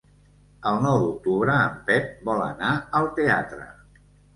El nou d'octubre en Pep vol anar al teatre.